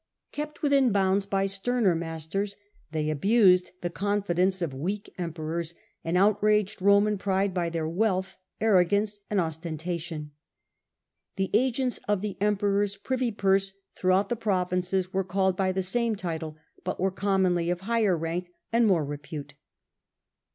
Kept within bounds by sterner masten , they abused the confidence of weak emperors, and outraged Roman pride by their wealth, arrogance, and ostentation. The agents of the Emperor's privy purse throughout the provinces were called by the same title, but were commonly of higher rank and more repute.